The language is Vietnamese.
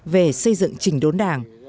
về xây dựng trình đốn đảng